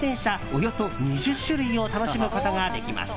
およそ２０種類を楽しむことができます。